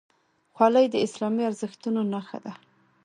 خولۍ د اسلامي ارزښتونو نښه ده.